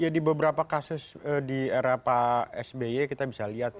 di beberapa kasus di era pak sby kita bisa lihat